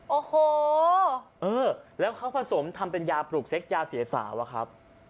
โอ้โหเออแล้วเขาผสมทำเป็นยาปลูกเซ็กยาเสียสาวอะครับ